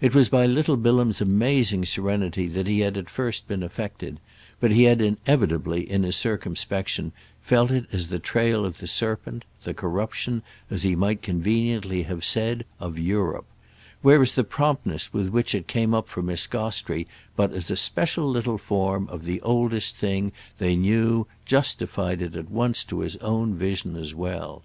It was by little Bilham's amazing serenity that he had at first been affected, but he had inevitably, in his circumspection, felt it as the trail of the serpent, the corruption, as he might conveniently have said, of Europe; whereas the promptness with which it came up for Miss Gostrey but as a special little form of the oldest thing they knew justified it at once to his own vision as well.